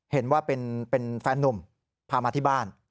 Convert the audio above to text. เห็นว่าเป็นแฟนนุ่มพามาที่บ้าน